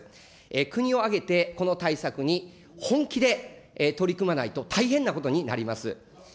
国を挙げてこの対策に本気で取り組まないと、大変なことになります。